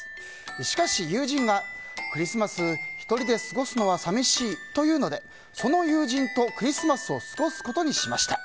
しかし、友人がクリスマス、１人で過ごすのは寂しいと言うのでその友人とクリスマスを過ごすことにしました。